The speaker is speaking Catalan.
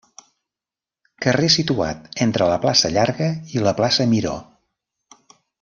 Carrer situat entre la plaça Llarga i la plaça Miró.